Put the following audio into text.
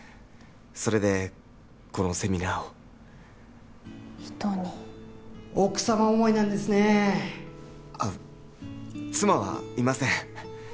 それでこのセミナーを人に奥様思いなんですねあっ妻はいません